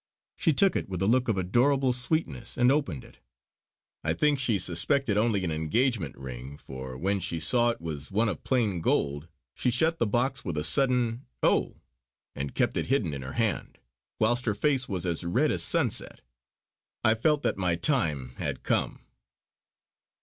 She took it with a look of adorable sweetness and opened it. I think she suspected only an engagement ring, for when she saw it was one of plain gold she shut the box with a sudden "Oh!" and kept it hidden in her hand, whilst her face was as red as sunset. I felt that my time had come.